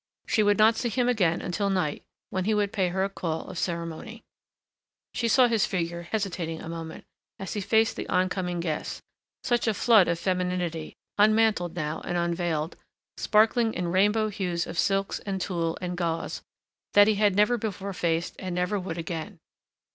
She would not see him again until night, when he would pay her a call of ceremony. She saw his figure hesitating a moment, as he faced the oncoming guests, such a flood of femininity, unmantled now and unveiled, sparkling in rainbow hues of silks and tulle and gauze that he had never before faced and never would again.